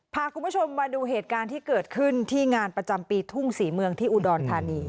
พาคุณผู้ชมมาดูเหตุการณ์ที่เกิดขึ้นที่งานประจำปีทุ่งศรีเมืองที่อุดรธานี